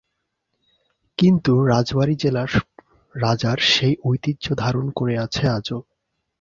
কিন্তু রাজবাড়ী জেলা রাজার সেই ঐতিহ্য ধারণ করে আছে আজো।